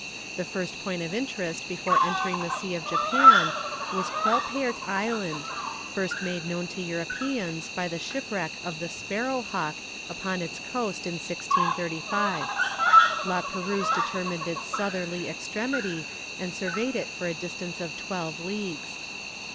The first point of interest before entering the Sea of Japan was Quelpaert Island, first made known to Europeans by the shipwreck of the Sparrow Hawk upon its coast in 1635. La Perouse determined its southerly extremity, and surveyed it for a distance of twelve leagues.